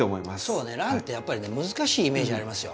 そうねランってやっぱりね難しいイメージありますよ。